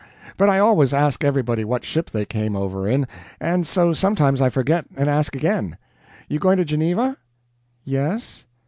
But I always ask everybody what ship they came over in, and so sometimes I forget and ask again. You going to Geneva?" "Yes."